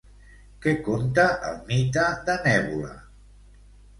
Què conta el mite de Nébula?